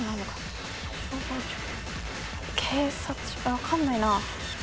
分かんないな。